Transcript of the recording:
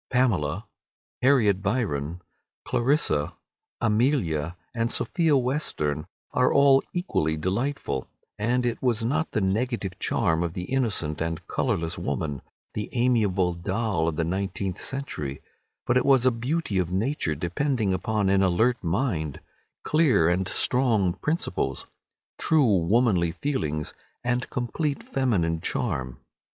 Pamela, Harriet Byron, Clarissa, Amelia, and Sophia Western were all equally delightful, and it was not the negative charm of the innocent and colourless woman, the amiable doll of the nineteenth century, but it was a beauty of nature depending upon an alert mind, clear and strong principles, true womanly feelings, and complete feminine charm.